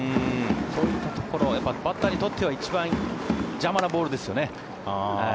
そういうところバッターにとっては一番邪魔なボールですよね。